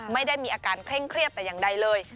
ไม่ได้มีอาการเคร่งเครียดแต่อย่างใดเลย